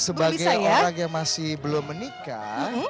sebagai orang yang masih belum menikah